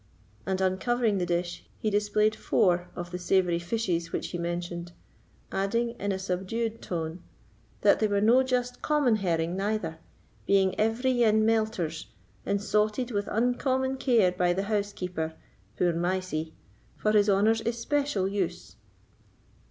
And, uncovering the dish, he displayed four of the savoury fishes which he mentioned, adding, in a subdued tone, "that they were no just common herring neither, being every ane melters, and sauted with uncommon care by the housekeeper (poor Mysie) for his honour's especial use."